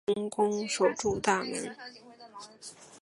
成功守住大门